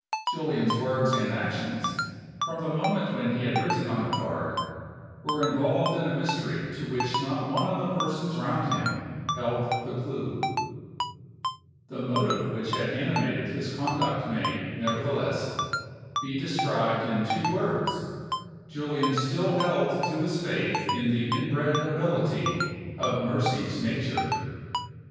Julian's words and actions, from the moment when he had written on the card, were involved in a mystery to which not one of the persons round him held the clew. The motive which had animated his conduct may, nevertheless, be described in two words: Julian still held to his faith in the inbred nobility of Mercy's nature.